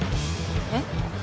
えっ？